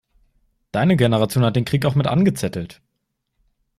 Deine Generation hat den Krieg auch mit angezettelt!